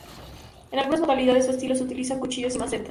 En algunas modalidades o estilos se utilizan cuchillos y machetes.